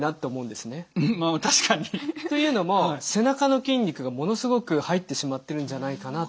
まあまあ確かに。というのも背中の筋肉がものすごく入ってしまってるんじゃないかなと。